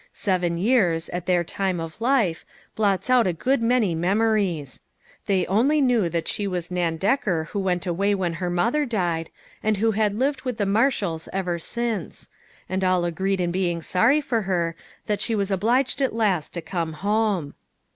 Seven years, at their time of life, blots out a good many memo ries. They only knew that she was Nan Decker who went away when her mother died, and who had lived with the Marshalls ever since ; and all agreed in being sorry for her that she was obliged at last to coine home.